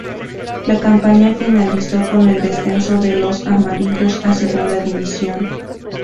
La campaña finalizó con el descenso de los amarillos a Segunda División.